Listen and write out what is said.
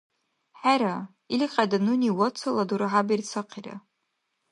ХӀера, илкьяйда нуни вацала дурхӀя берцахъира.